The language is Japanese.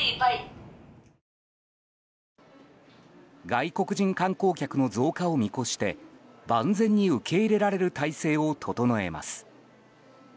外国人観光客の増加を見越して万全に受け入れられる態勢を整えます。